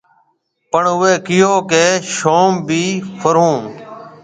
پڻ اُوئي ڪهيو ڪيَ شوم ڀِي ڦرِهون۔